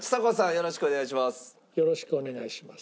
よろしくお願いします。